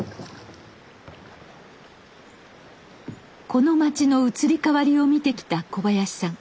この町の移り変わりを見てきた小林さん。